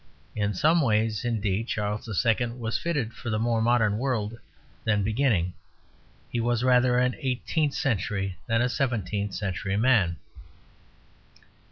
In some ways, indeed, Charles II. was fitted for the more modern world then beginning; he was rather an eighteenth century than a seventeenth century man.